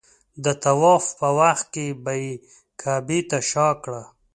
د طواف په وخت به یې کعبې ته شا کړه.